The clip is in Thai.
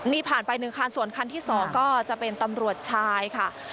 นี่ผ่านไป๑คันส่วนคันที่๒ก็จะเป็นตำรวจชายค่ะ